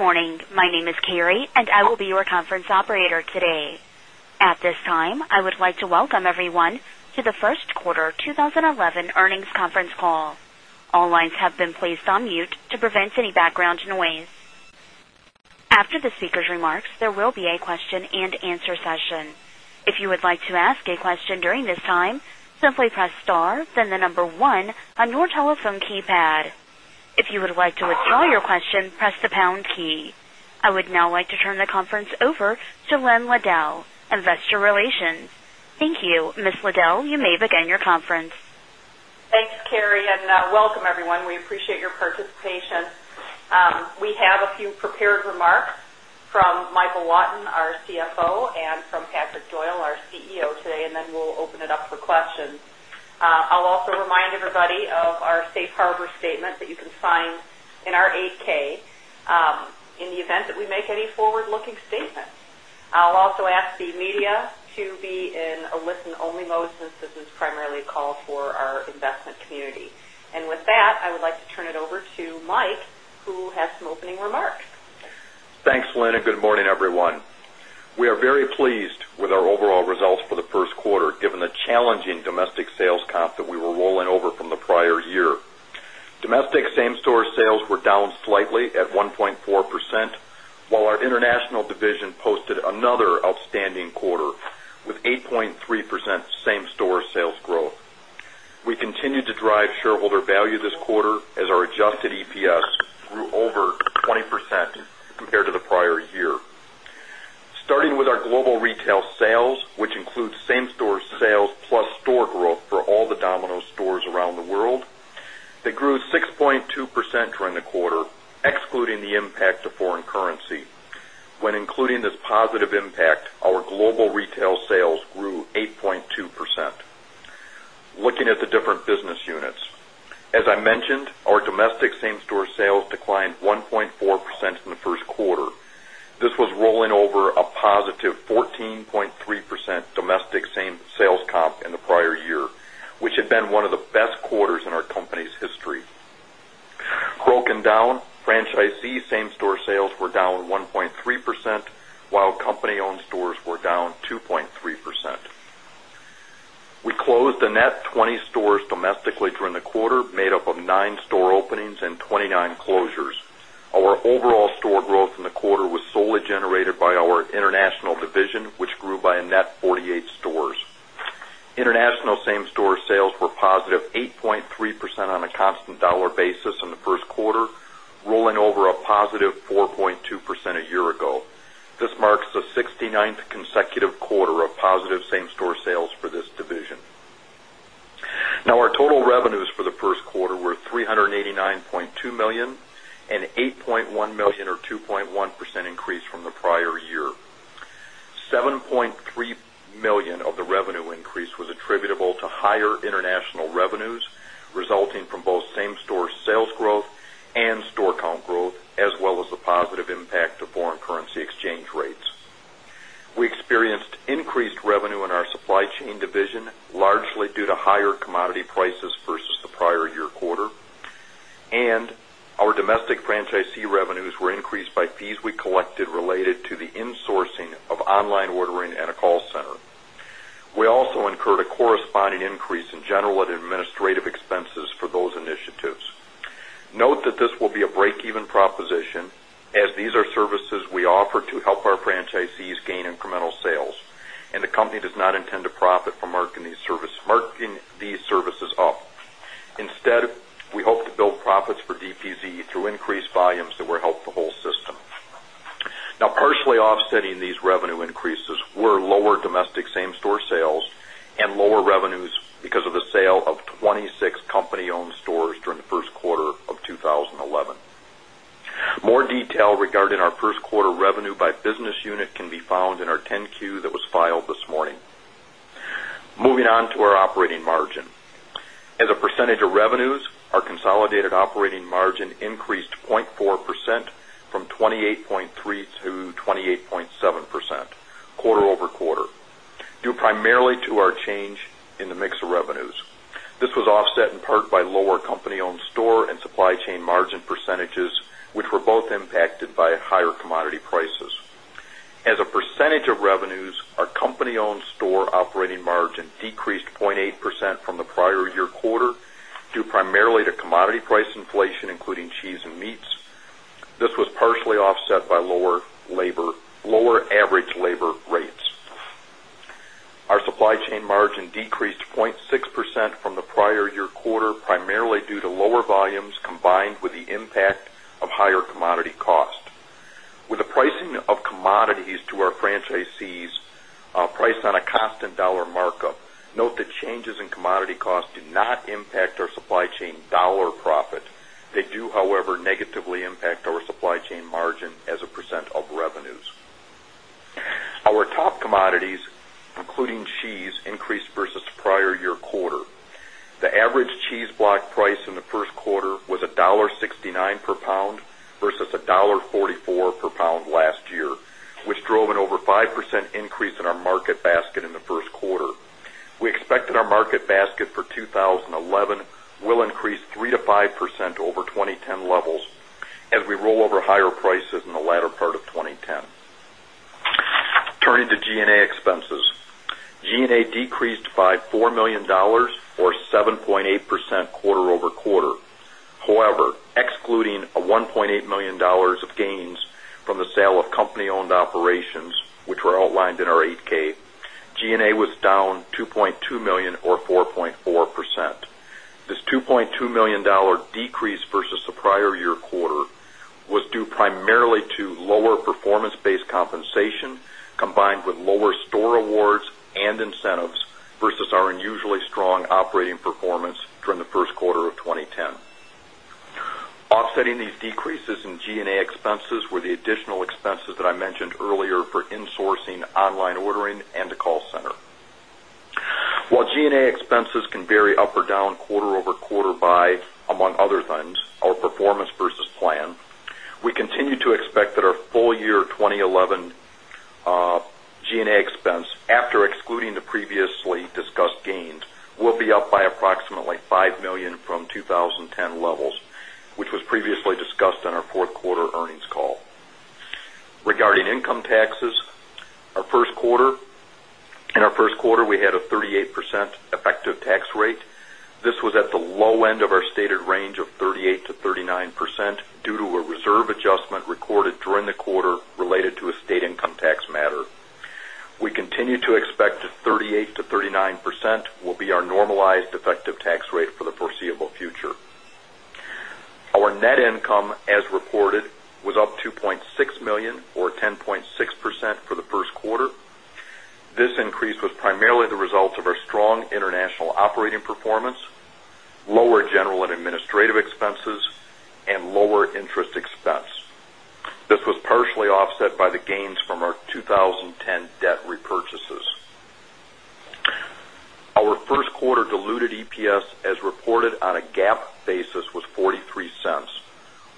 Good morning. My name is Carrie, and I will be your conference operator today. At this time, I would like to welcome everyone to the First Quarter 2011 Earnings Conference Call. All lines have been placed on mute to prevent any background noise. After the speaker's remarks, there will be a question and answer session. If you would like to ask a question during this time, simply press star, then the number one on your telephone keypad. If you would like to withdraw your question, press the pound key. I would now like to turn the conference over to Lynn Liddle, Investor Relations. Thank you. Ms. Liddle, you may begin your conference. Thanks, Carrie, and welcome, everyone. We appreciate your participation. We have a few prepared remarks from Michael Lawton, our CFO, and from Patrick Doyle, our CEO today, and then we'll open it up for questions. I'll also remind everybody of our safe harbor statement that you can find in our 8-K in the event that we make any forward-looking statement. I also ask the media to be in a listen-only mode since this is primarily a call for our investment community. With that, I would like to turn it over to Mike, who has some opening remarks. Thanks, Lynn. Good morning, everyone. We are very pleased with our overall results for the first quarter, given the challenging domestic sales comp that we were rolling over from the prior year. Domestic same-store sales were down slightly at 1.4%, while our international division posted another outstanding quarter with 8.3% same-store sales growth. We continued to drive shareholder value this quarter as our adjusted EPS grew over 20% compared to the prior year. Starting with our global retail sales, which includes same-store sales plus store growth for all the Domino's stores around the world, they grew 6.2% during the quarter, excluding the impact of foreign currency. When including this positive impact, our global retail sales grew 8.2%. Looking at the different business units, as I mentioned, our domestic same-store sales declined 1.4% in the first quarter. This was rolling over a positive 14.3% domestic same-store sales comp in the prior year, which had been one of the best quarters in our company's history. Broken down, franchisee same-store sales were down 1.3%, while company-owned stores were down 2.3%. We closed the net 20 stores domestically during the quarter, made up of nine store openings and 29 closures. Our overall store growth in the quarter was solely generated by our international division, which grew by a net 48 stores. International same-store sales were positive 8.3% on a constant dollar basis in the first quarter, rolling over a positive 4.2% a year ago. This marks the 69th consecutive quarter of positive same-store sales for this division. Now, our total revenues for the first quarter were $389.2 million, an $8.1 million or 2.1% increase from the prior year. $7.3 million of the revenue increase was attributable to higher international revenues resulting from both same-store sales growth and store count growth, as well as the positive impact of foreign currency exchange rates. We experienced increased revenue in our supply chain division, largely due to higher commodity prices versus the prior year quarter, and our domestic franchisee revenues were increased by fees we collected related to the insourcing of online ordering and a call center. We also incurred a corresponding increase in general and administrative expenses for those initiatives. Note that this will be a break-even proposition as these are services we offer to help our franchisees gain incremental sales, and the company does not intend to profit from marking these services up. Instead, we hope to build profits for DP Inc. through increased volumes that will help the whole system. Now, partially offsetting these revenue increases were lower domestic same-store sales and lower revenues because of the sale of 26 company-owned stores during the first quarter of 2011. More detail regarding our first quarter revenue by business unit can be found in our 10-Q that was filed this morning. Moving on to our operating margin. As a percentage of revenues, our consolidated operating margin increased 0.4% from 28.3% - 28.7% quarter over quarter, due primarily to our change in the mix of revenues. This was offset in part by lower company-owned store and supply chain margin percentages, which were both impacted by higher commodity prices. As a percentage of revenues, our company-owned store operating margin decreased 0.8% from the prior year quarter due primarily to commodity price inflation, including cheese and meats. This was partially offset by lower average labor rates. Our supply chain margin decreased 0.6% from the prior year quarter, primarily due to lower volumes combined with the impact of higher commodity cost. With the pricing of commodities to our franchisees priced on a constant dollar markup, note that changes in commodity cost do not impact our supply chain dollar profit. They do, however, negatively impact our supply chain margin as a percent of revenues. Our top commodities, including cheese, increased versus the prior year quarter. The average cheese block price in the first quarter was $1.69 per pound versus $1.44 per pound last year, which drove an over 5% increase in our market basket in the first quarter. We expect that our market basket for 2011 will increase 3% - 5% over 2010 levels as we roll over higher prices in the latter part of 2010. Turning to G&A expenses, G&A decreased by $4 million or 7.8% quarter over quarter. However, excluding a $1.8 million of gains from the sale of company-owned operations, which were outlined in our 8-K, G&A was down $2.2 million or 4.4%. This $2.2 million decrease versus the prior year quarter was due primarily to lower performance-based compensation combined with lower store awards and incentives versus our unusually strong operating performance during the first quarter of 2010. Offsetting these decreases in G&A expenses were the additional expenses that I mentioned earlier for insourcing online ordering and a call center. While G&A expenses can vary up or down quarter over quarter by, among other things, our performance versus plan, we continue to expect that our full year 2011 G&A expense, after excluding the previously discussed gains, will be up by approximately $5 million from 2010 levels, which was previously discussed in our fourth quarter earnings call. Regarding income taxes, in our first quarter, we had a 38% effective tax rate. This was at the low end of our stated range of 38% - 39% due to a reserve adjustment recorded during the quarter related to a state income tax matter. We continue to expect the 38% - 39% will be our normalized effective tax rate for the foreseeable future. Our net income, as reported, was up $2.6 million or 10.6% for the first quarter. This increase was primarily the result of our strong international operating performance, lower general and administrative expenses, and lower interest expense. This was partially offset by the gains from our 2010 debt repurchases. Our first quarter diluted EPS, as reported on a GAAP basis, was $0.43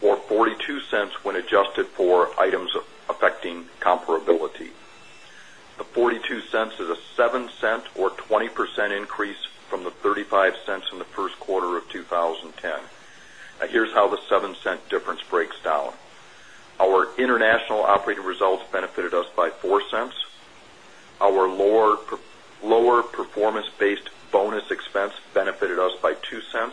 or $0.42 when adjusted for items affecting comparability. The $0.42 is a $0.07 or 20% increase from the $0.35 from the first quarter of 2010. Here's how the $0.07 difference breaks down. Our international operating results benefited us by $0.04. Our lower performance-based bonus expense benefited us by $0.02.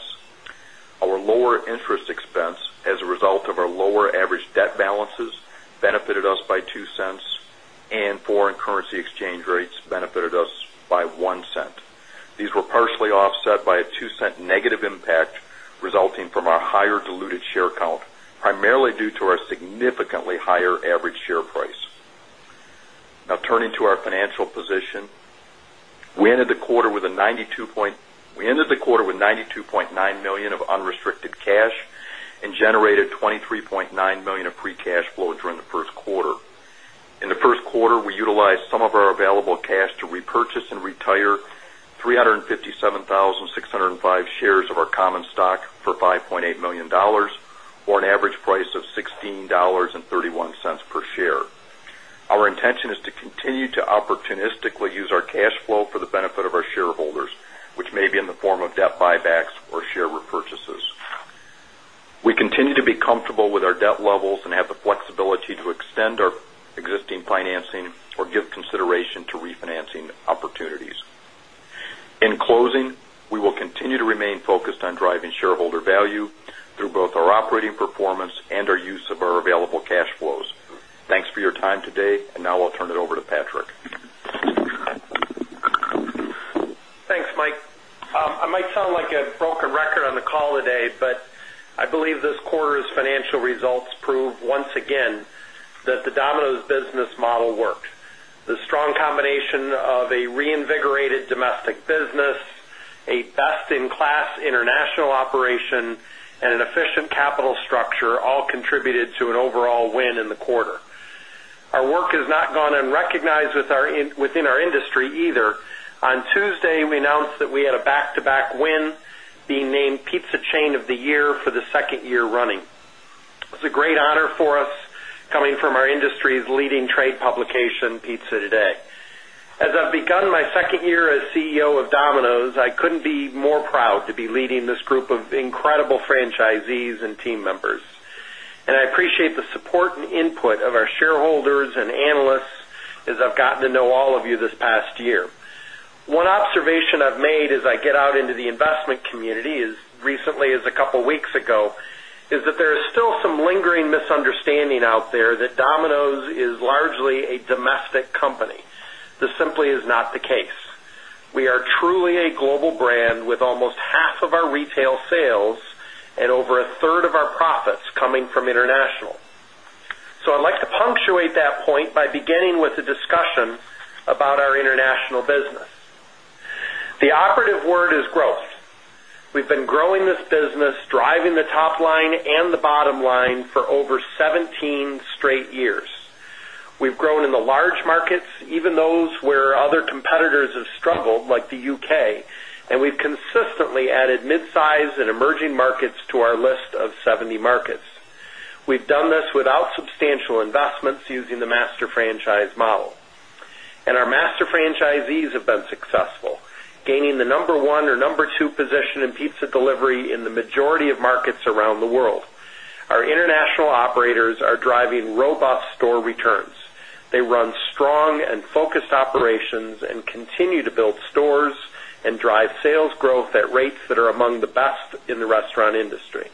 Our lower interest expense, as a result of our lower average debt balances, benefited us by $0.02, and foreign currency exchange rates benefited us by $0.01. These were partially offset by a $0.02 negative impact resulting from our higher diluted share count, primarily due to our significantly higher average share price. Now, turning to our financial position, we ended the quarter with $92.9 million of unrestricted cash and generated $23.9 million of free cash flow during the first quarter. In the first quarter, we utilized some of our available cash to repurchase and retire 357,605 shares of our common stock for $5.8 million or an average price of $16.31 per share. Our intention is to continue to opportunistically use our cash flow for the benefit of our shareholders, which may be in the form of debt buybacks or share repurchases. We continue to be comfortable with our debt levels and have the flexibility to extend our existing financing or give consideration to refinancing opportunities. In closing, we will continue to remain focused on driving shareholder value through both our operating performance and our use of our available cash flows. Thanks for your time today, and now I'll turn it over to Patrick. Thanks, Mike. I might sound like a broken record on the call today, but I believe this quarter's financial results proved once again that the Domino's business model worked. The strong combination of a reinvigorated domestic business, a best-in-class international operation, and an efficient capital structure all contributed to an overall win in the quarter. Our work has not gone unrecognized within our industry either. On Tuesday, we announced that we had a back-to-back win, being named Pizza Chain of the Year for the second year running. It's a great honor for us, coming from our industry's leading trade publication, Pizza Today. As I've begun my second year as CEO of Domino's., I couldn't be more proud to be leading this group of incredible franchisees and team members. I appreciate the support and input of our shareholders and analysts as I've gotten to know all of you this past year. One observation I've made as I get out into the investment community, as recently as a couple of weeks ago, is that there is still some lingering misunderstanding out there that Domino's is largely a domestic company. This simply is not the case. We are truly a global brand with almost half of our retail sales and over a third of our profits coming from international. I'd like to punctuate that point by beginning with a discussion about our international business. The operative word is growth. We've been growing this business, driving the top line and the bottom line for over 17 straight years. We've grown in the large markets, even those where other competitors have struggled, like the U.K., and we've consistently added mid-size and emerging markets to our list of 70 markets. We've done this without substantial investments using the master franchise model. Our master franchisees have been successful, gaining the number one or number two position in pizza delivery in the majority of markets around the world. Our international operators are driving robust store returns. They run strong and focused operations and continue to build stores and drive sales growth at rates that are among the best in the restaurant industry.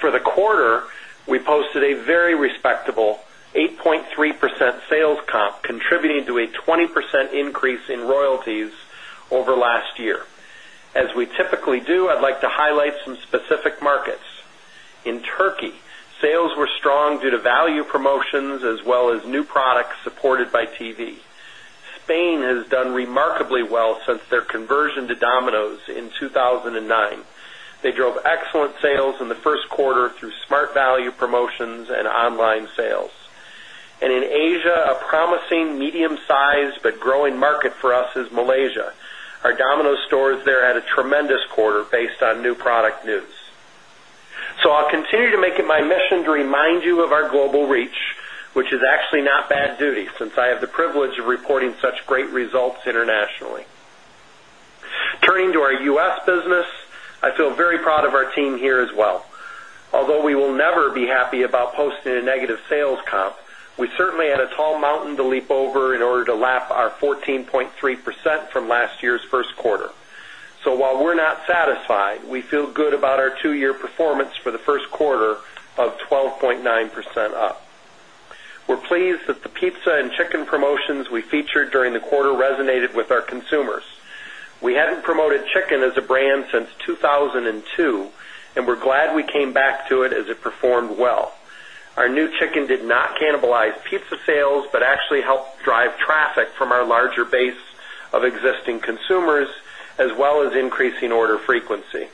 For the quarter, we posted a very respectable 8.3% sales comp, contributing to a 20% increase in royalties over last year. As we typically do, I'd like to highlight some specific markets. In Turkey, sales were strong due to value promotions as well as new products supported by TV. Spain has done remarkably well since their conversion to Domino's in 2009. They drove excellent sales in the first quarter through smart value promotions and online sales. In Asia, a promising medium-sized but growing market for us is Malaysia. Our Domino's stores there had a tremendous quarter based on new product news. I'll continue to make it my mission to remind you of our global reach, which is actually not bad duty since I have the privilege of reporting such great results internationally. Turning to our U.S. business, I feel very proud of our team here as well. Although we will never be happy about posting a negative sales comp, we certainly had a tall mountain to leap over in order to lap our 14.3% from last year's first quarter. While we're not satisfied, we feel good about our two-year performance for the first quarter of 12.9% up. We're pleased that the pizza and chicken promotions we featured during the quarter resonated with our consumers. We hadn't promoted chicken as a brand since 2002, and we're glad we came back to it as it performed well. Our new chicken did not cannibalize pizza sales but actually helped drive traffic from our larger base of existing consumers, as well as increasing order frequency.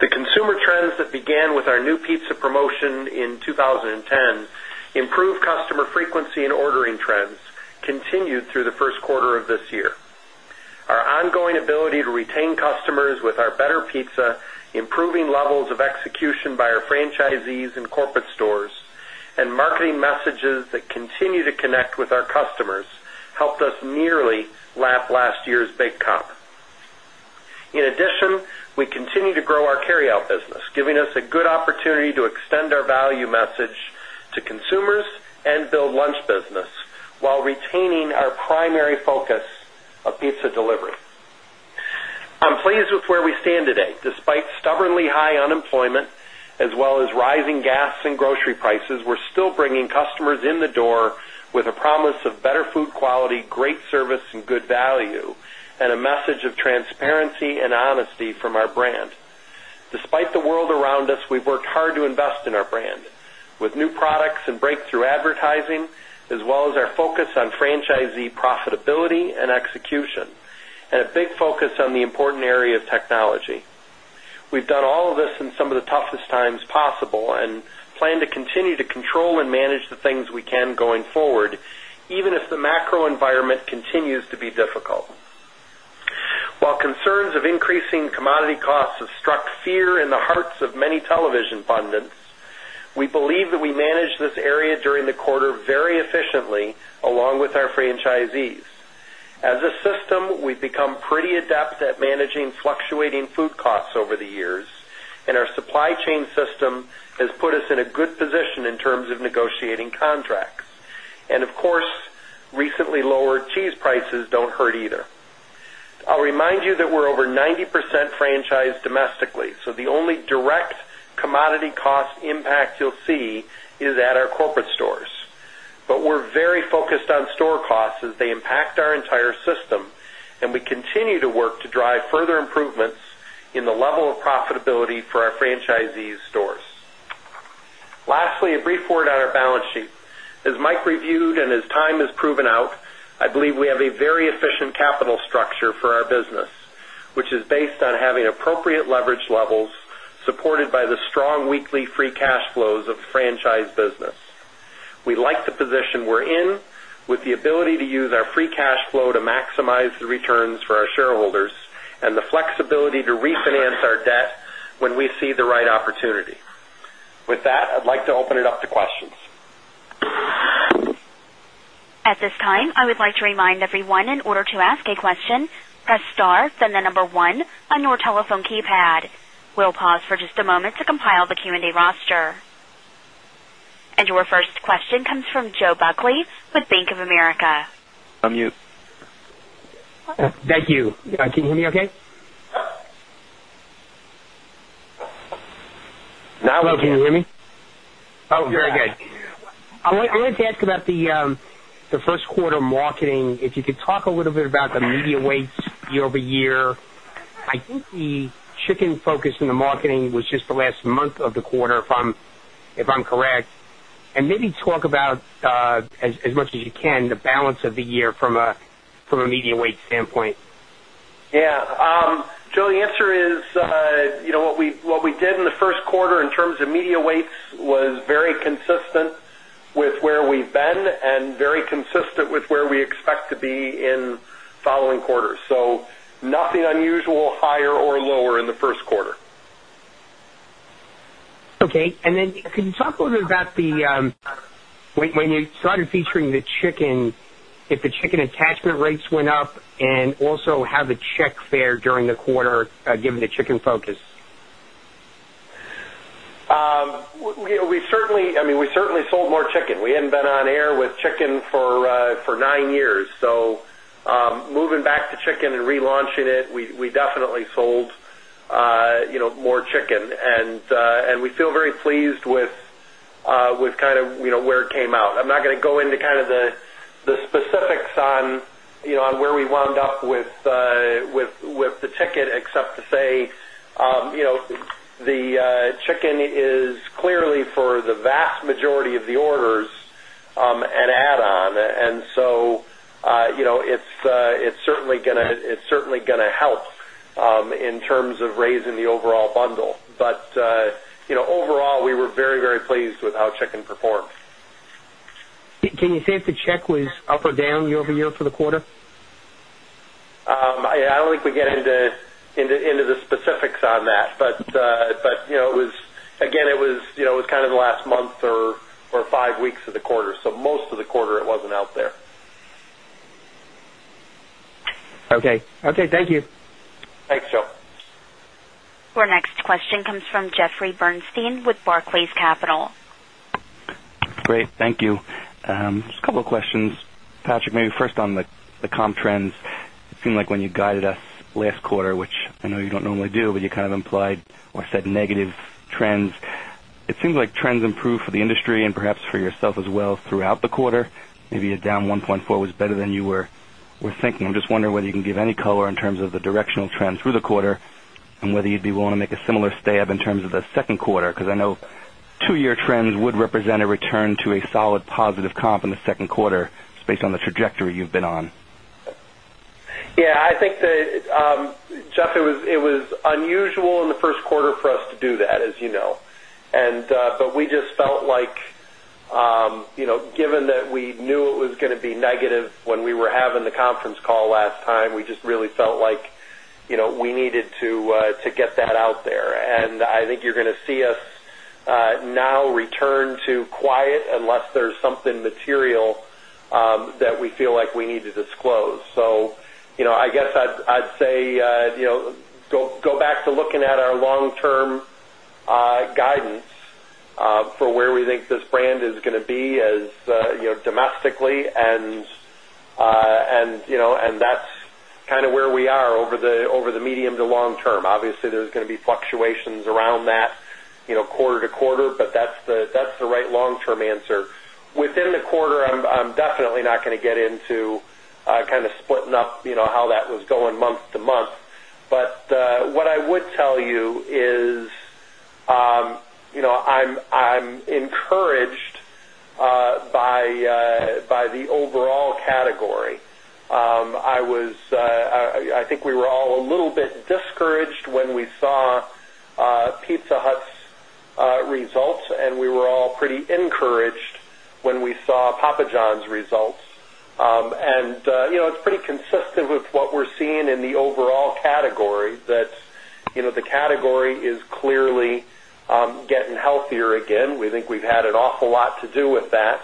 The consumer trends that began with our new pizza promotion in 2010, improved customer frequency and ordering trends, continued through the first quarter of this year. Our ongoing ability to retain customers with our better pizza, improving levels of execution by our franchisees and corporate stores, and marketing messages that continue to connect with our customers helped us nearly lap last year's big comp. In addition, we continue to grow our carryout business, giving us a good opportunity to extend our value message to consumers and build lunch business while retaining our primary focus of pizza delivery. I'm pleased with where we stand today. Despite stubbornly high unemployment, as well as rising gas and grocery prices, we're still bringing customers in the door with a promise of better food quality, great service, and good value, and a message of transparency and honesty from our brand. Despite the world around us, we've worked hard to invest in our brand with new products and breakthrough advertising, as well as our focus on franchisee profitability and execution, and a big focus on the important area of technology. We've done all of this in some of the toughest times possible and plan to continue to control and manage the things we can going forward, even if the macro environment continues to be difficult. While concerns of increasing commodity costs have struck fear in the hearts of many television pundits, we believe that we managed this area during the quarter very efficiently, along with our franchisees. As a system, we've become pretty adept at managing fluctuating food costs over the years, and our supply chain system has put us in a good position in terms of negotiating contracts. Of course, recently lowered cheese prices don't hurt either. I'll remind you that we're over 90% franchised domestically, so the only direct commodity cost impact you'll see is at our corporate stores. We're very focused on store costs as they impact our entire system, and we continue to work to drive further improvements in the level of profitability for our franchisees' stores. Lastly, a brief word on our balance sheet. As Mike reviewed and as time has proven out, I believe we have a very efficient capital structure for our business, which is based on having appropriate leverage levels supported by the strong weekly free cash flows of franchise business. We like the position we're in, with the ability to use our free cash flow to maximize the returns for our shareholders and the flexibility to refinance our debt when we see the right opportunity. With that, I'd like to open it up to questions. At this time, I would like to remind everyone, in order to ask a question, press star, then the number one on your telephone keypad. We'll pause for just a moment to compile the Q&A roster. Your first question comes from Joe Buckley with Bank of America. Thank you. Can you hear me OK? Can you hear me? Very good. I wanted to ask about the first quarter marketing. If you could talk a little bit about the media weights year over year. I think the chicken focus in the marketing was just the last month of the quarter, if I'm correct. Maybe talk about, as much as you can, the balance of the year from a media weight standpoint. Yeah. Joe, the answer is, you know, what we did in the first quarter in terms of media weights was very consistent with where we've been and very consistent with where we expect to be in the following quarters. Nothing unusual, higher or lower in the first quarter. OK. Can you talk a little bit about when you started featuring the chicken, if the chicken attachment rates went up, and also how the check fared during the quarter, given the chicken focus? We certainly sold more chicken. We hadn't been on air with chicken for nine years. Moving back to chicken and relaunching it, we definitely sold more chicken. We feel very pleased with kind of where it came out. I'm not going to go into the specifics on where we wound up with the ticket, except to say the chicken is clearly for the vast majority of the orders an add-on. It is certainly going to help in terms of raising the overall bundle. Overall, we were very, very pleased with how chicken performed. Can you say if the check was up or down year-over-year for the quarter? I don't think we get into the specifics on that. Again, it was kind of the last month or five weeks of the quarter, so most of the quarter, it wasn't out there. OK. Thank you. Thanks, Joe. Our next question comes from Jeffrey Bernstein with Barclays Capital. Great. Thank you. Just a couple of questions. Patrick, maybe first on the comp trends. It seemed like when you guided us last quarter, which I know you don't normally do, but you kind of implied or said negative trends. It seems like trends improved for the industry and perhaps for yourself as well throughout the quarter. Maybe a down 1.4% was better than you were thinking. I'm just wondering whether you can give any color in terms of the directional trends through the quarter and whether you'd be willing to make a similar stab in terms of the second quarter, because I know two-year trends would represent a return to a solid positive comp in the second quarter based on the trajectory you've been on. Yeah. I think, Jeff, it was unusual in the first quarter for us to do that, as you know. We just felt like, given that we knew it was going to be negative when we were having the conference call last time, we really felt like we needed to get that out there. I think you're going to see us now return to quiet unless there's something material that we feel like we need to disclose. I guess I'd say go back to looking at our long-term guidance for where we think this brand is going to be domestically. That's kind of where we are over the medium to long term. Obviously, there's going to be fluctuations around that quarter to quarter, but that's the right long-term answer. Within the quarter, I'm definitely not going to get into kind of splitting up how that was going month to month. What I would tell you is I'm encouraged by the overall category. I think we were all a little bit discouraged when we saw Pizza Hut's results, and we were all pretty encouraged when we saw Papa John's results. It's pretty consistent with what we're seeing in the overall category, that the category is clearly getting healthier again. We think we've had an awful lot to do with that.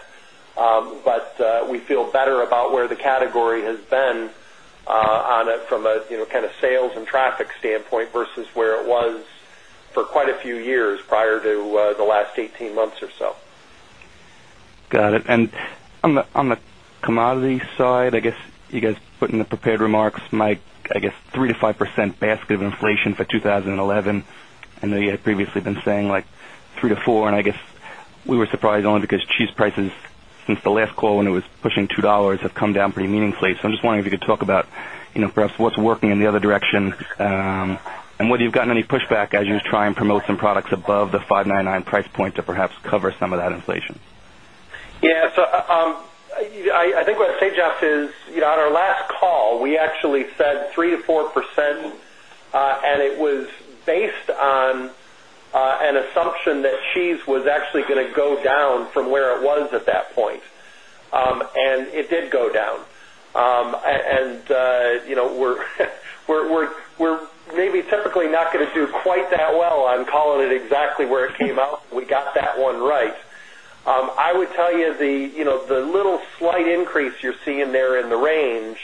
We feel better about where the category has been from a kind of sales and traffic standpoint versus where it was for quite a few years prior to the last 18 months or so. Got it. On the commodity side, I guess you guys put in the prepared remarks, Mike, I guess 3% - 5% basket of inflation for 2011. I know you had previously been saying like 3% - 4%. I guess we were surprised only because cheese prices since the last call when it was pushing $2 have come down pretty meaningfully. I'm just wondering if you could talk about perhaps what's working in the other direction and whether you've gotten any pushback as you're trying to promote some products above the $5.99 price point to perhaps cover some of that inflation. Yeah. I think what I'd say, Jeff, is on our last call, we actually said 3% - 4%, and it was based on an assumption that cheese was actually going to go down from where it was at that point. It did go down. We're maybe typically not going to do quite that well on calling it exactly where it came out. We got that one right. I would tell you the slight increase you're seeing there in the range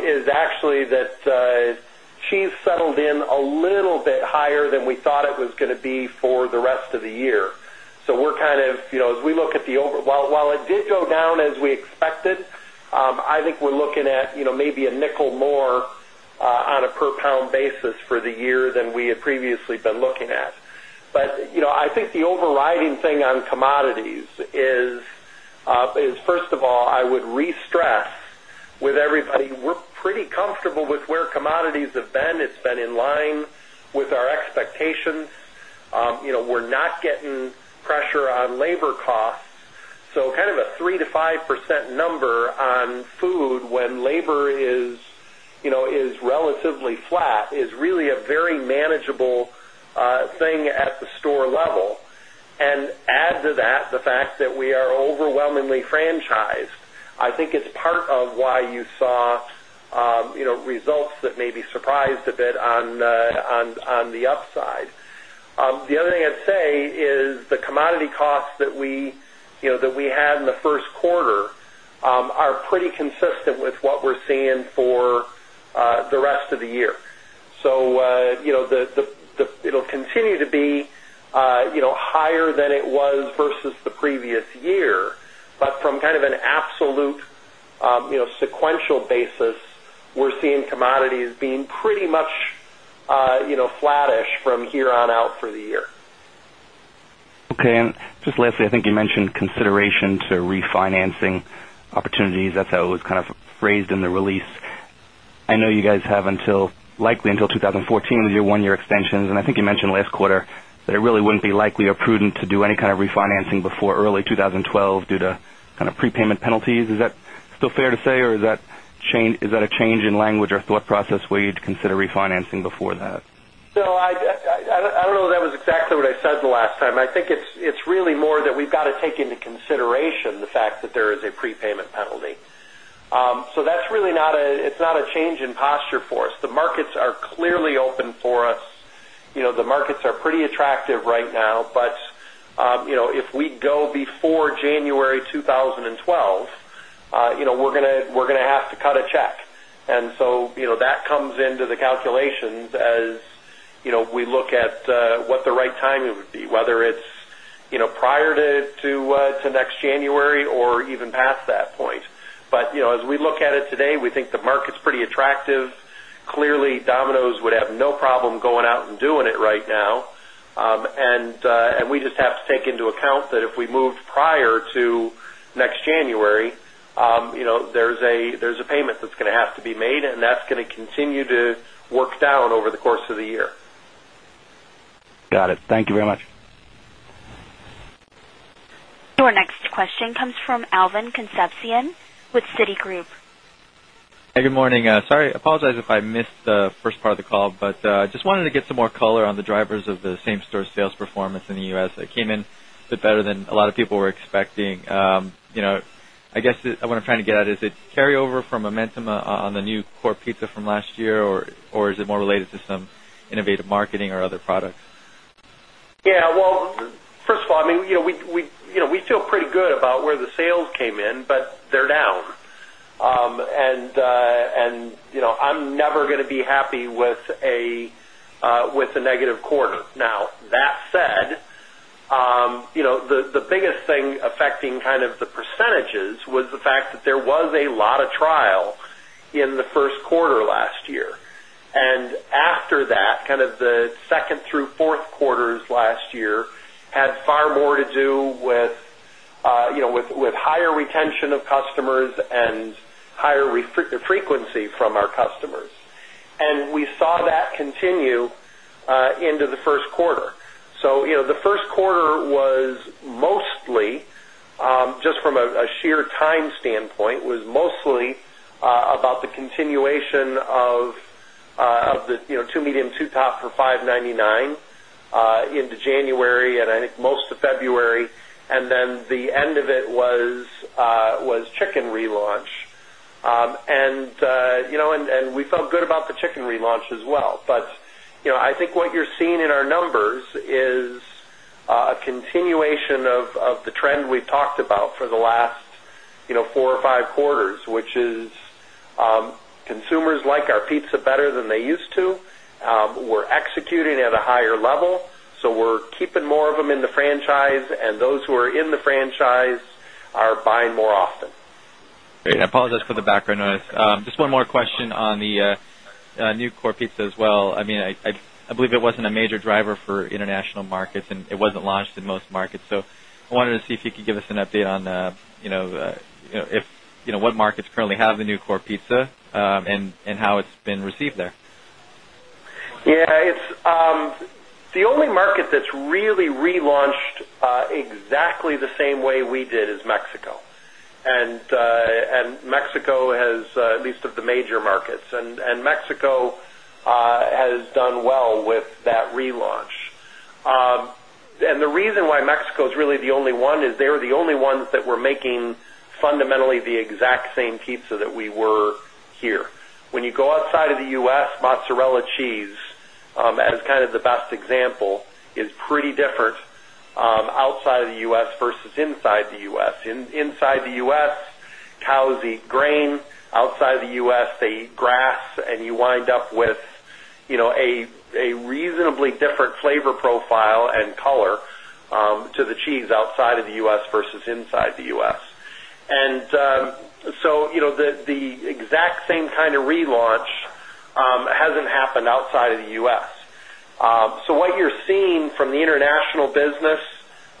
is actually that cheese settled in a little bit higher than we thought it was going to be for the rest of the year. We're kind of, as we look at the overall, while it did go down as we expected, I think we're looking at maybe $0.05 more on a per pound basis for the year than we had previously been looking at. I think the overriding thing on commodities is, first of all, I would re-stress with everybody, we're pretty comfortable with where commodities have been. It's been in line with our expectations. We're not getting pressure on labor costs. Kind of a 3% - 5% number on food when labor is relatively flat is really a very manageable thing at the store level. Add to that the fact that we are overwhelmingly franchised. I think it's part of why you saw results that may be surprised a bit on the upside. The other thing I'd say is the commodity costs that we had in the first quarter are pretty consistent with what we're seeing for the rest of the year. It'll continue to be higher than it was versus the previous year. From kind of an absolute sequential basis, we're seeing commodities being pretty much flattish from here on out for the year. OK. Just lastly, I think you mentioned consideration to refinancing opportunities. That's how it was kind of phrased in the release. I know you guys have until likely until 2014, year one year extensions. I think you mentioned last quarter that it really wouldn't be likely or prudent to do any kind of refinancing before early 2012 due to kind of prepayment penalties. Is that still fair to say, or is that a change in language or thought process where you'd consider refinancing before that? I don't know if that was exactly what I said the last time. I think it's really more that we've got to take into consideration the fact that there is a prepayment penalty. That's really not a change in posture for us. The markets are clearly open for us. The markets are pretty attractive right now. If we go before January 2012, we're going to have to cut a check. That comes into the calculations as we look at what the right timing would be, whether it's prior to next January or even past that point. As we look at it today, we think the market's pretty attractive. Clearly, Domino's would have no problem going out and doing it right now. We just have to take into account that if we move prior to next January, there's a payment that's going to have to be made, and that's going to continue to work down over the course of the year. Got it. Thank you very much. Our next question comes from Alvin Concepcion with Citigroup. Hey, good morning. Sorry, I apologize if I missed the first part of the call, but I just wanted to get some more color on the drivers of the same-store sales performance in the U.S. It came in a bit better than a lot of people were expecting. I guess what I'm trying to get at is the carryover from momentum on the new core pizza from last year, or is it more related to some innovative marketing or other products? Yeah. First of all, I mean, we feel pretty good about where the sales came in, but they're down. I'm never going to be happy with a negative quarter. That said, the biggest thing affecting kind of the percentages was the fact that there was a lot of trial in the first quarter last year. After that, kind of the second through fourth quarters last year had far more to do with higher retention of customers and higher frequency from our customers. We saw that continue into the first quarter. The first quarter was mostly, just from a sheer time standpoint, about the continuation of the two medium, two topping for $5.99 into January and I think most of February. The end of it was chicken relaunch. We felt good about the chicken relaunch as well. I think what you're seeing in our numbers is a continuation of the trend we've talked about for the last four or five quarters, which is consumers like our pizza better than they used to. We're executing at a higher level, so we're keeping more of them in the franchise, and those who are in the franchise are buying more often. Great. I apologize for the background noise. Just one more question on the new core pizza as well. I mean, I believe it wasn't a major driver for international markets, and it wasn't launched in most markets. I wanted to see if you could give us an update on what markets currently have the new core pizza and how it's been received there. Yeah. The only market that's really relaunched exactly the same way we did is Mexico. Mexico has, at least of the major markets, done well with that relaunch. The reason why Mexico is really the only one is they were the only ones that were making fundamentally the exact same pizza that we were here. When you go outside of the U.S., mozzarella cheese as kind of the best example is pretty different outside of the U.S. versus inside the U.S. Inside the U.S., cows eat grain. Outside of the U.S., they eat grass, and you wind up with a reasonably different flavor profile and color to the cheese outside of the U.S. versus inside the U.S. The exact same kind of relaunch hasn't happened outside of the U.S. What you're seeing from the international business,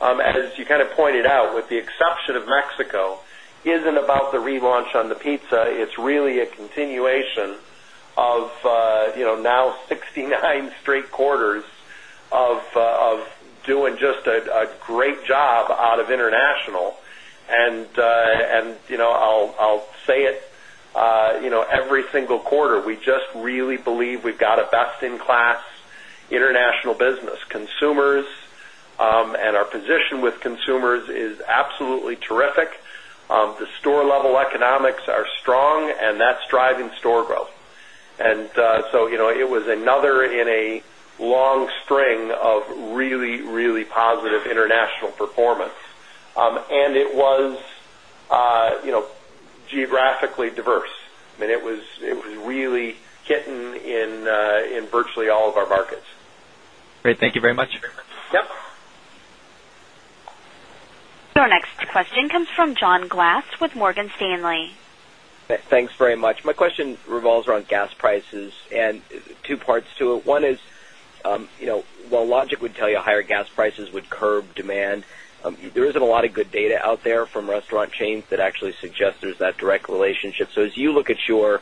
as you kind of pointed out, with the exception of Mexico, isn't about the relaunch on the pizza. It's really a continuation of now 69 straight quarters of doing just a great job out of international. I'll say it every single quarter, we just really believe we've got a best-in-class international business. Consumers and our position with consumers is absolutely terrific. The store-level economics are strong, and that's driving store growth. It was another in a long string of really, really positive international performance. It was geographically diverse. It was really hitting in virtually all of our markets. Great, thank you very much. Yep. Our next question comes from John Glass with Morgan Stanley. Thanks very much. My question revolves around gas prices, and two parts to it. One is, while logic would tell you higher gas prices would curb demand, there isn't a lot of good data out there from restaurant chains that actually suggest there's that direct relationship. As you look at your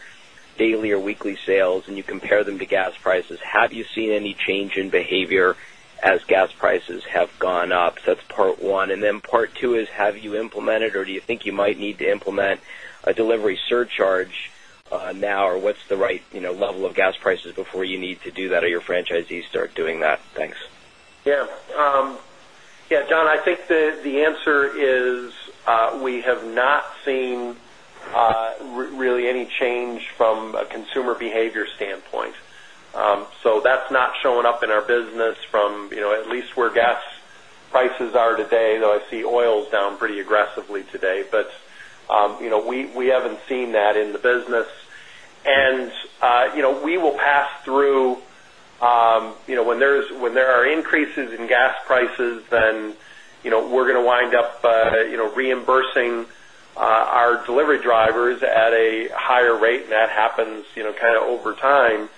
daily or weekly sales and you compare them to gas prices, have you seen any change in behavior as gas prices have gone up? That's part one. Part two is, have you implemented or do you think you might need to implement a delivery surcharge now, or what's the right level of gas prices before you need to do that or your franchisees start doing that? Thanks. Yeah. Yeah, John, I think the answer is we have not seen really any change from a consumer behavior standpoint. That's not showing up in our business from at least where gas prices are today, though I see oil is down pretty aggressively today. We haven't seen that in the business. We will pass through when there are increases in gas prices, then we're going to wind up reimbursing our delivery drivers at a higher rate, and that happens kind of over time.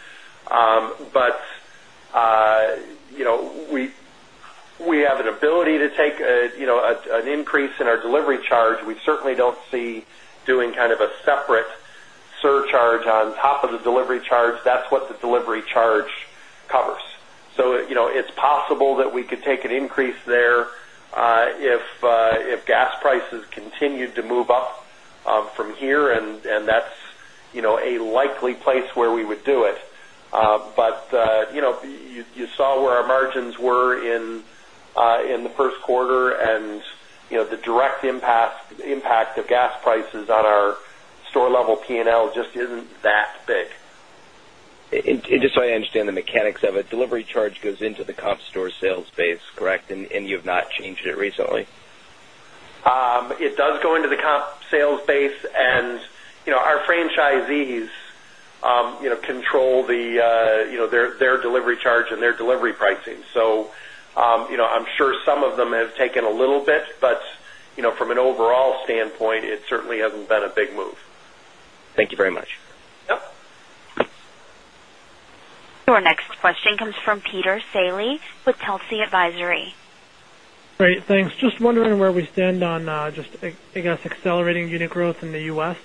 We have an ability to take an increase in our delivery charge. We certainly don't see doing kind of a separate surcharge on top of the delivery charge. That's what the delivery charge covers. It's possible that we could take an increase there if gas prices continued to move up from here, and that's a likely place where we would do it. You saw where our margins were in the first quarter, and the direct impact of gas prices on our store-level P&L just isn't that big. Just so I understand the mechanics of it, the delivery charge goes into the comp store sales base, correct? You have not changed it recently? It does go into the comp sales base. Our franchisees control their delivery charge and their delivery pricing. I'm sure some of them have taken a little bit, but from an overall standpoint, it certainly hasn't been a big move. Thank you very much. Yep. Our next question comes from Peter Saleh with Telsey Advisory. Great, thanks. Just wondering where we stand on just, I guess, accelerating unit growth in the U.S.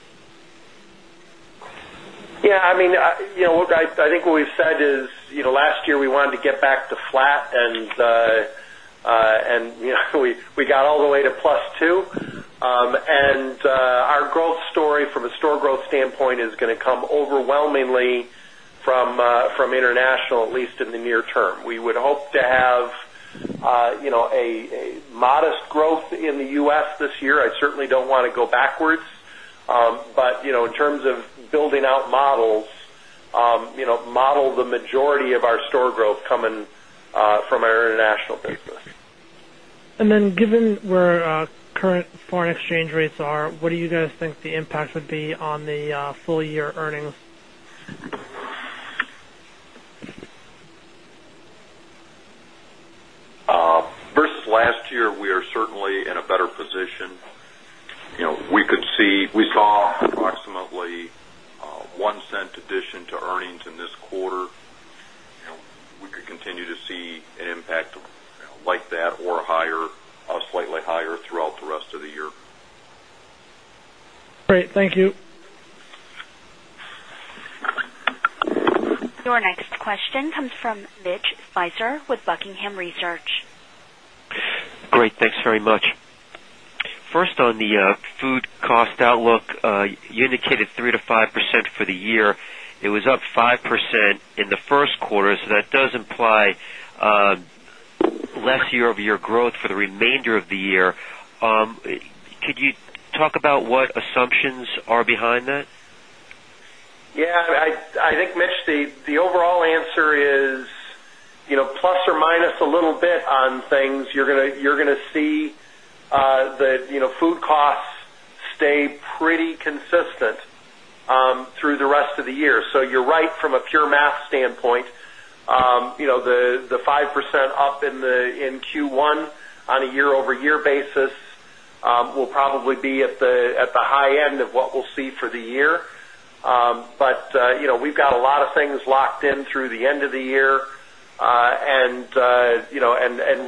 I mean, I think what we've said is last year we wanted to get back to flat, and we got all the way to +2. Our growth story from a store growth standpoint is going to come overwhelmingly from international, at least in the near term. We would hope to have a modest growth in the U.S. this year. I certainly don't want to go backwards. In terms of building out models, model the majority of our store growth coming from our international business. Given where current foreign exchange rates are, what do you guys think the impact would be on the full-year earnings? First, last year, we are certainly in a better position. We saw approximately $0.01 addition to earnings in this quarter. We could continue to see an impact like that or higher on slightly higher throughout the rest of the year. Great. Thank you. Our next question comes from Mitch Speiser with Buckingham Research. Great. Thanks very much. First, on the food cost outlook, you indicated 3% - 5% for the year. It was up 5% in the first quarter. That does imply less year-over-year growth for the remainder of the year. Could you talk about what assumptions are behind that? Yeah. I think, Mitch, the overall answer is plus or minus a little bit on things. You're going to see the food costs stay pretty consistent through the rest of the year. You're right from a pure math standpoint. The 5% up in Q1 on a year-over-year basis will probably be at the high end of what we'll see for the year. We've got a lot of things locked in through the end of the year.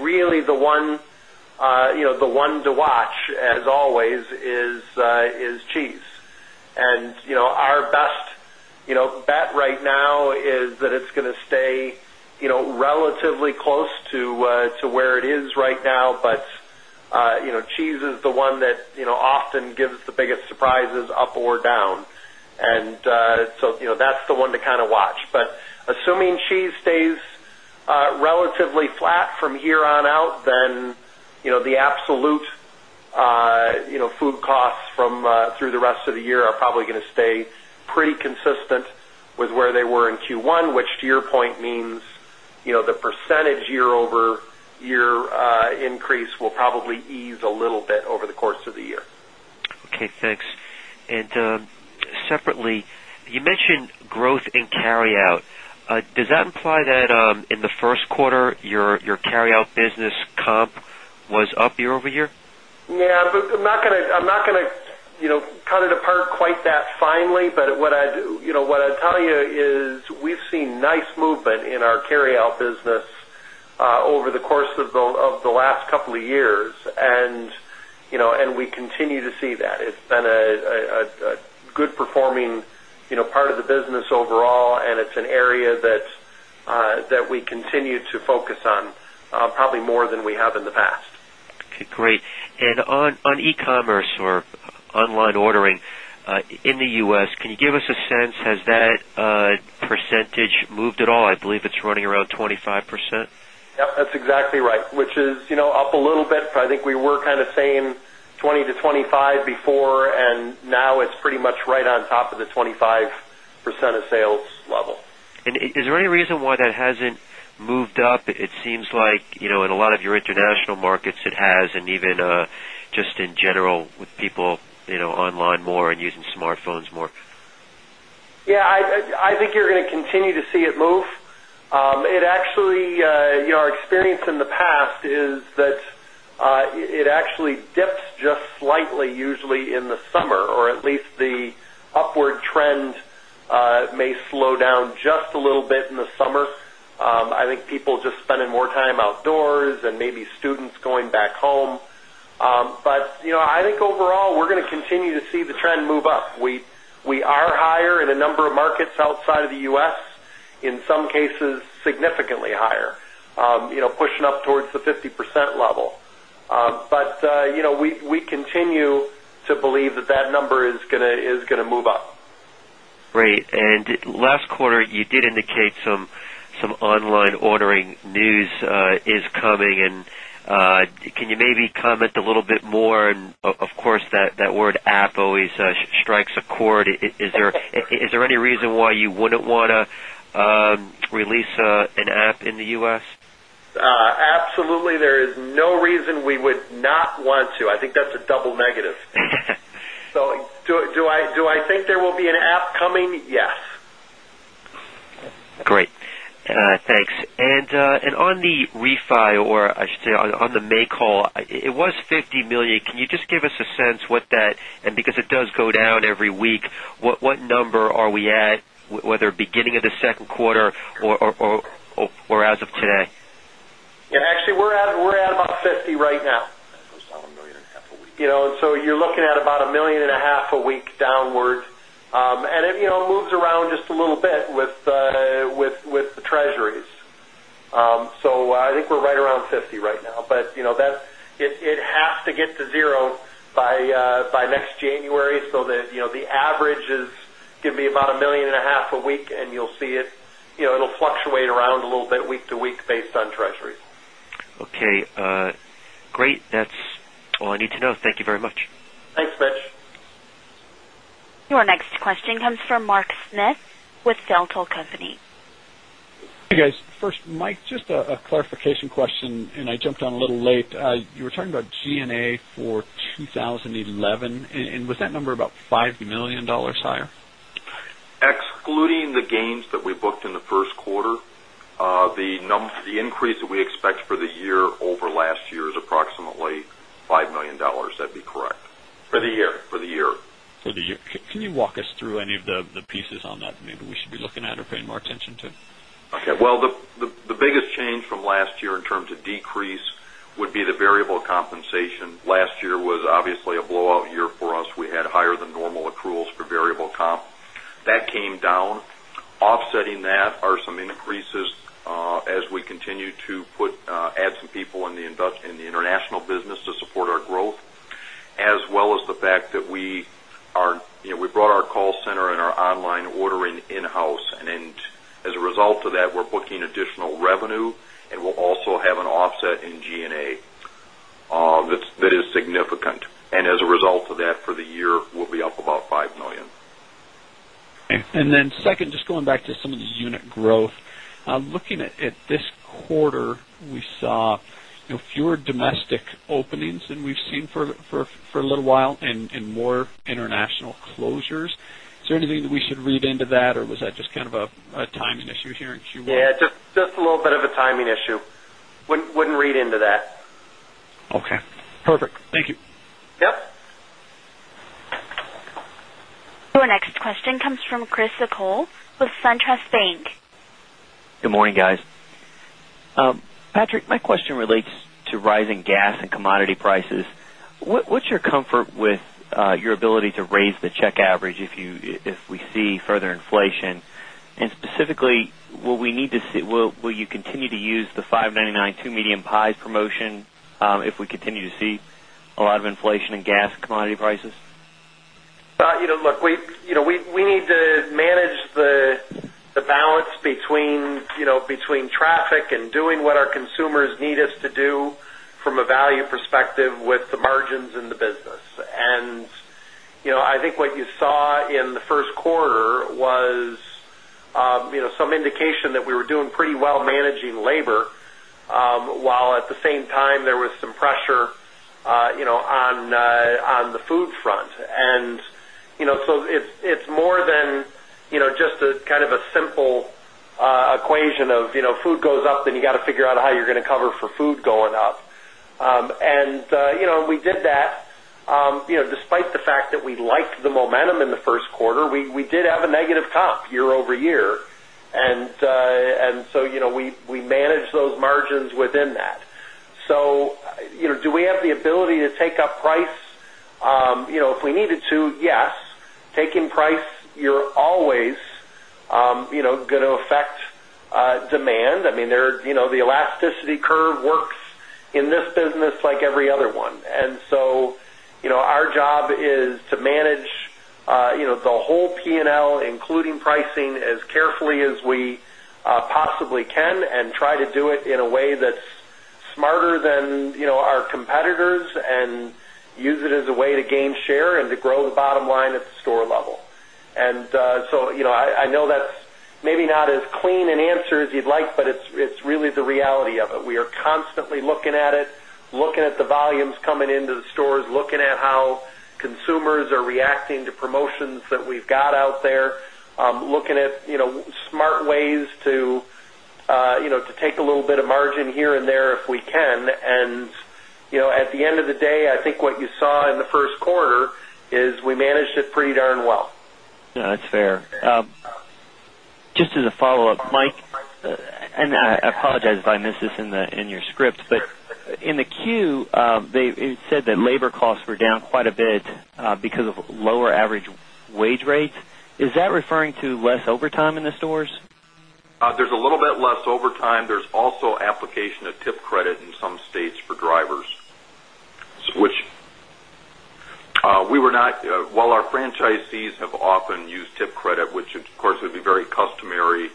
Really, the one to watch, as always, is cheese. Our best bet right now is that it's going to stay relatively close to where it is right now. Cheese is the one that often gives the biggest surprises, up or down. That's the one to kind of watch. Assuming cheese stays relatively flat from here on out, the absolute food costs through the rest of the year are probably going to stay pretty consistent with where they were in Q1, which to your point means the percentage year-over-year increase will probably ease a little bit over the course of the year. OK. Thanks. Separately, you mentioned growth in carryout. Does that imply that in the first quarter, your carryout business comp was up year-over-year? Yeah. I'm not going to cut it apart quite that finely, but what I'd tell you is we've seen nice movement in our carryout business over the course of the last couple of years. We continue to see that. It's been a good-performing part of the business overall, and it's an area that we continue to focus on, probably more than we have in the past. OK. Great. On E-commerce or online ordering in the U.S., can you give us a sense? Has that percentage moved at all? I believe it's running around 25%. Yep. That's exactly right, which is up a little bit. I think we were kind of saying 20% - 25% before, and now it's pretty much right on top of the 25% of sales level. Is there any reason why that hasn't moved up? It seems like in a lot of your international markets, it has, and even just in general with people online more and using smartphones more. Yeah. I think you're going to continue to see it move. Our experience in the past is that it actually dips just slightly, usually in the summer, or at least the upward trend may slow down just a little bit in the summer. I think people are just spending more time outdoors and maybe students going back home. I think overall, we're going to continue to see the trend move up. We are higher in a number of markets outside of the U.S., in some cases significantly higher, pushing up towards the 50% level. We continue to believe that that number is going to move up. Great. Last quarter, you did indicate some online ordering news is coming. Can you maybe comment a little bit more? Of course, that word "app" always strikes a chord. Is there any reason why you wouldn't want to release an app in the U.S.? Absolutely. There is no reason we would not want to. I think that's a double negative. Do I think there will be an app coming? Yes. Great. Thanks. On the refi, or I should say on the May call, it was $50 million. Can you just give us a sense what that is, and because it does go down every week, what number are we at, whether beginning of the second quarter or as of today? Yeah. Actually, we're at about 50 right now, so you're looking at about $1.5 million a week downward. It moves around just a little bit with the treasuries. I think we're right around 50 right now. It has to get to zero by next January, so the average is going to be about $1.5 million a week, and you'll see it'll fluctuate around a little bit week to week based on treasury. OK. Great. That's all I need to know. Thank you very much. Thanks, Mitch. Our next question comes from Mike Smith with D.A. Davidson & Co. Hey, guys. First, Mike, just a clarification question. I jumped on a little late. You were talking about G&A for 2011. Was that number about $5 million higher? Excluding the gains that we booked in the first quarter, the increase that we expect for the year over last year is approximately $5 million. That'd be correct. For the year? For the year. For the year, can you walk us through any of the pieces on that maybe we should be looking at or paying more attention to? OK. The biggest change from last year in terms of decrease would be the variable compensation. Last year was obviously a blowout year for us. We had higher than normal accruals for variable comp. That came down. Offsetting that are some increases as we continue to add some people in the international business to support our growth, as well as the fact that we brought our call center and our online ordering in-house. As a result of that, we're booking additional revenue, and we'll also have an offset in G&A that is significant. As a result of that, for the year, we'll be up about $5 million. Second, just going back to some of the unit growth, looking at this quarter, we saw fewer domestic openings than we've seen for a little while and more international closures. Is there anything that we should read into that, or was that just kind of a timing issue here in Q1? Yeah, it's just a little bit of a timing issue. Wouldn't read into that. OK. Perfect. Thank you. Yep. Our next question comes from Chris O'Cull with SunTrust Bank. Good morning, guys. Patrick, my question relates to rising gas and commodity prices. What's your comfort with your ability to raise the check average if we see further inflation? Specifically, will you continue to use the $5.99 two medium Pies promotion if we continue to see a lot of inflation in gas commodity prices? Look, we need to manage the balance between traffic and doing what our consumers need us to do from a value perspective with the margins in the business. I think what you saw in the first quarter was some indication that we were doing pretty well managing labor, while at the same time, there was some pressure on the food front. It is more than just kind of a simple equation of food goes up, then you've got to figure out how you're going to cover for food going up. We did that despite the fact that we liked the momentum in the first quarter. We did have a negative comp year-over-year, and we managed those margins within that. Do we have the ability to take up price if we needed to? Yes. Taking price, you're always going to affect demand. The elasticity curve works in this business like every other one. Our job is to manage the whole P&L, including pricing, as carefully as we possibly can and try to do it in a way that's smarter than our competitors and use it as a way to gain share and to grow the bottom line at the store level. I know that's maybe not as clean an answer as you'd like, but it's really the reality of it. We are constantly looking at it, looking at the volumes coming into the stores, looking at how consumers are reacting to promotions that we've got out there, looking at smart ways to take a little bit of margin here and there if we can. At the end of the day, I think what you saw in the first quarter is we managed it pretty darn well. Yeah. That's fair. Just as a follow-up, Mike, and I apologize if I missed this in your script, but in the queue, it said that labor costs were down quite a bit because of lower average wage rates. Is that referring to less overtime in the stores? There's a little bit less overtime. There's also application of tip credit in some states for drivers. While our franchisees have often used tip credit, which of course would be very customary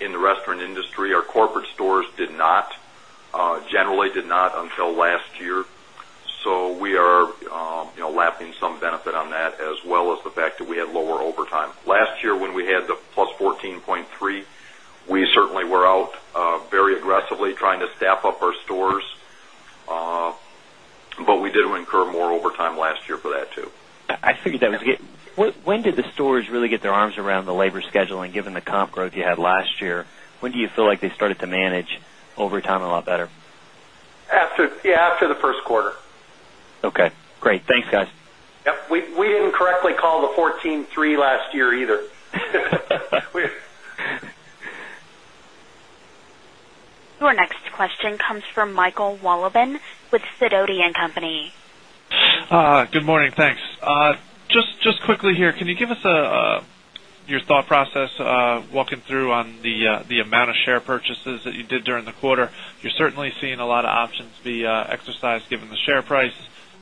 in the restaurant industry, our corporate stores generally did not until last year. We are lapping some benefit on that, as well as the fact that we had lower overtime. Last year, when we had the +14.3%, we certainly were out very aggressively trying to staff up our stores, but we did incur more overtime last year for that too. I figured that was good. When did the stores really get their arms around the labor schedule? Given the comp growth you had last year, when do you feel like they started to manage overtime a lot better? Yeah, after the first quarter. OK. Great. Thanks, guys. Yep. We didn't correctly call the 14.3% last year either. Our next question comes from [Michael Wallaben] with Sidoti & Company. Good morning. Thanks. Just quickly here, can you give us your thought process walking through on the amount of share repurchases that you did during the quarter? You're certainly seeing a lot of options be exercised given the share price,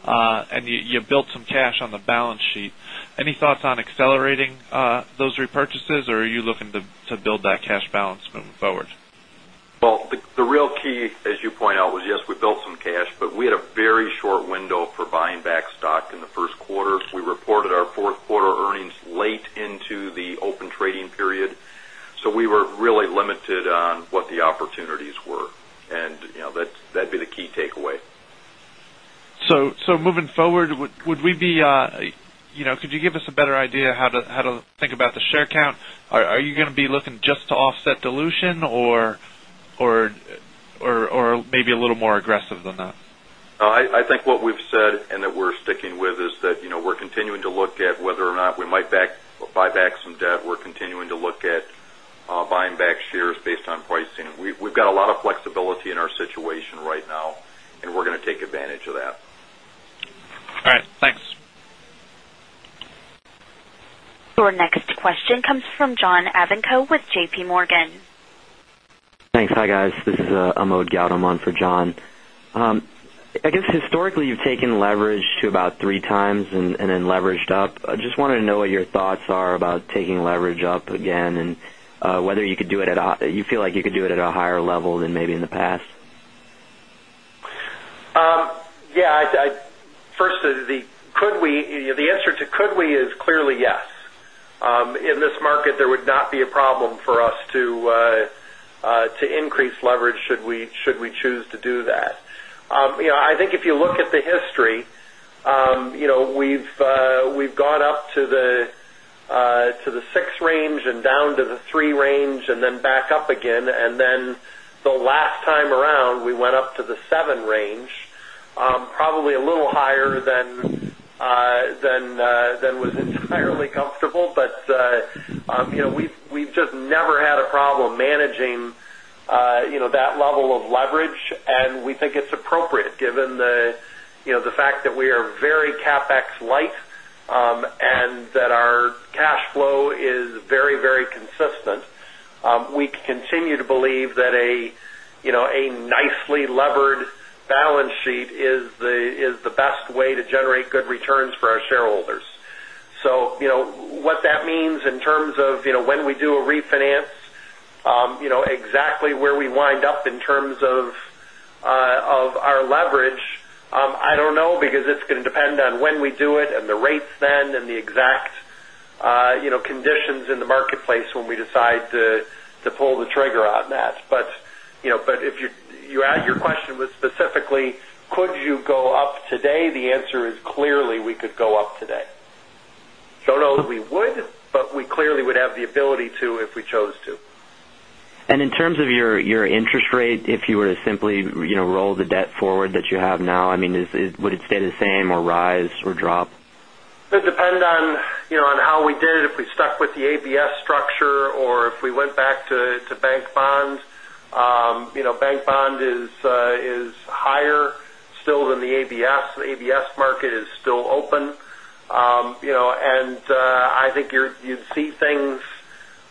and you built some cash on the balance sheet. Any thoughts on accelerating those repurchases, or are you looking to build that cash balance moving forward? The real key, as you point out, was yes, we built some cash, but we had a very short window for buying back stock in the first quarter. We reported our fourth quarter earnings late into the open trading period, so we were really limited on what the opportunities were. That'd be the key takeaway. Moving forward, could you give us a better idea of how to think about the share count? Are you going to be looking just to offset dilution or maybe a little more aggressive than that? I think what we've said and that we're sticking with is that we're continuing to look at whether or not we might buy back some debt. We're continuing to look at buying back shares based on pricing. We've got a lot of flexibility in our situation right now, and we're going to take advantage of that. All right, thanks. Our next question comes from John Ivankoe with JPMorgan. Thanks. Hi, guys. This is Amod Gautam on for John. I guess historically, you've taken leverage to about 3x and then leveraged up. I just wanted to know what your thoughts are about taking leverage up again and whether you could do it at a, you feel like you could do it at a higher level than maybe in the past. Yeah. First, the answer to could we is clearly yes. In this market, there would not be a problem for us to increase leverage should we choose to do that. I think if you look at the history, we've gone up to the 6 range and down to the 3 range and then back up again. The last time around, we went up to the 7 range, probably a little higher than was entirely comfortable. We've just never had a problem managing that level of leverage, and we think it's appropriate given the fact that we are very CapEx light and that our cash flow is very, very consistent. We continue to believe that a nicely levered balance sheet is the best way to generate good returns for our shareholders. What that means in terms of when we do a refinance, exactly where we wind up in terms of our leverage, I don't know, because it's going to depend on when we do it and the rates then and the exact conditions in the marketplace when we decide to pull the trigger on that. If you ask your question specifically, could you go up today, the answer is clearly we could go up today. No, we would, but we clearly would have the ability to if we chose to. In terms of your interest rate, if you were to simply roll the debt forward that you have now, would it stay the same, rise, or drop? It would depend on how we did it, if we stuck with the ABS structure or if we went back to bank bonds. Bank Bond is higher still than the ABS. The ABS market is still open. I think you'd see things,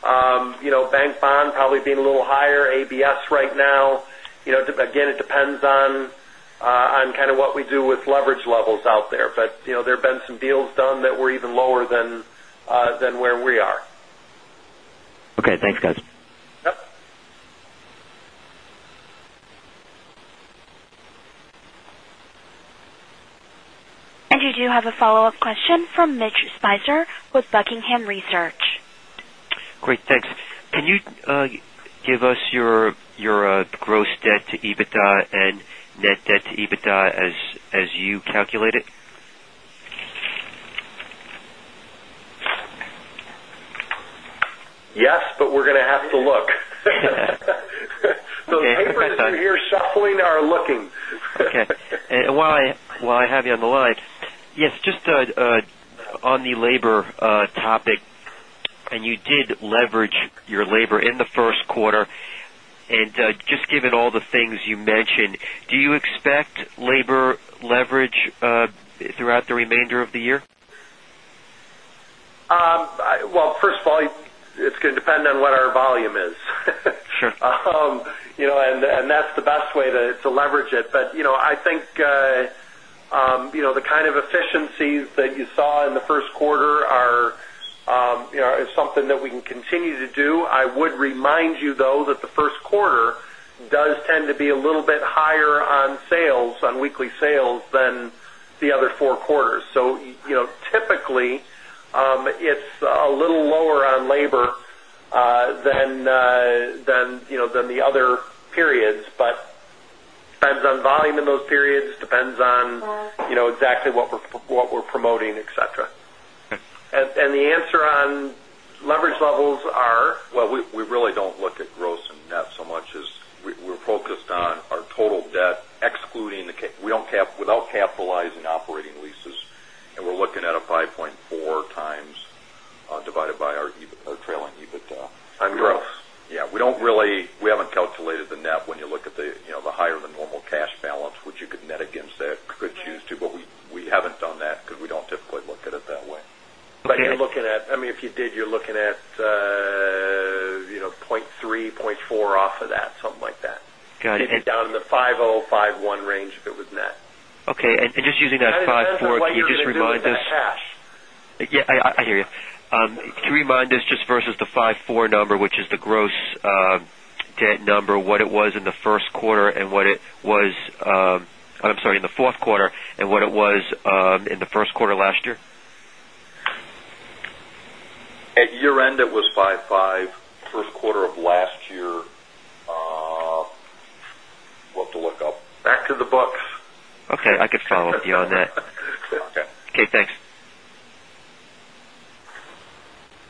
Bank Bond probably being a little higher, ABS right now. It depends on kind of what we do with leverage levels out there. There have been some deals done that were even lower than where we are. OK, thanks, guys. Yep. We have a follow-up question from Mitch Speiser with Buckingham Research. Great. Thanks. Can you give us your gross debt to EBITDA and net debt to EBITDA as you calculate it? Yes, we are going to have to look. The papers we are shuffling are looking. OK. While I have you on the line, just on the labor topic, you did leverage your labor in the first quarter. Given all the things you mentioned, do you expect labor leverage throughout the remainder of the year? First of all, it's going to depend on what our volume is. Sure. That's the best way to leverage it. I think the kind of efficiencies that you saw in the first quarter are something that we can continue to do. I would remind you, though, that the first quarter does tend to be a little bit higher on sales, on weekly sales, than the other four quarters. Typically, it's a little lower on labor than the other periods. using that 5.4, can you just remind us? Yeah. I hear you. Can you remind us just versus the 5.4 number, which is the gross debt number, what it was in the fourth quarter and what it was in the first quarter last year? At year end, it was 5.5. First quarter of last year, we'll have to look up. Back to the books. OK, I could follow up with you on that. OK. OK. Thanks.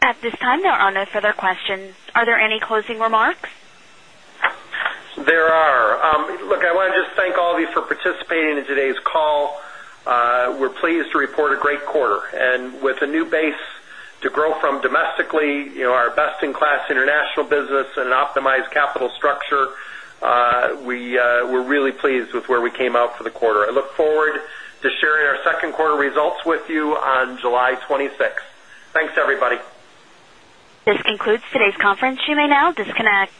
At this time, there are no further questions. Are there any closing remarks? I want to just thank all of you for participating in today's call. We're pleased to report a great quarter. With a new base to grow from domestically, our best-in-class international business, and an optimized capital structure, we're really pleased with where we came out for the quarter. I look forward to sharing our second quarter results with you on July 26. Thanks, everybody. This concludes today's conference. You may now disconnect.